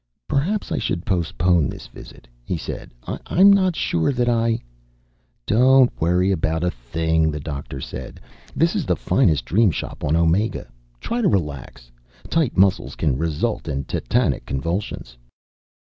"Perhaps I should postpone this visit," he said. "I'm not sure that I " "Don't worry about a thing," the doctor said. "This is the finest Dream Shop on Omega. Try to relax. Tight muscles can result in tetanic convulsions."